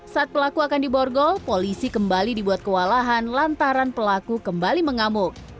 saat pelaku akan diborgol polisi kembali dibuat kewalahan lantaran pelaku kembali mengamuk